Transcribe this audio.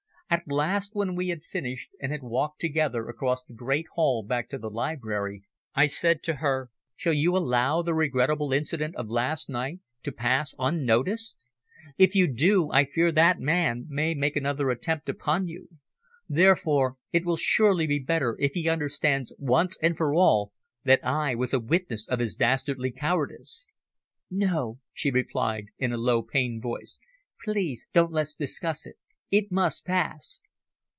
At last, when we had finished and had walked together across the great hall back to the library, I said to her "Shall you allow the regrettable incident of last night to pass unnoticed? If you do, I fear that man may make another attempt upon you. Therefore it will surely be better if he understands once and for all that I was a witness of his dastardly cowardice." "No," she replied in a low, pained voice. "Please don't let us discuss it. It must pass."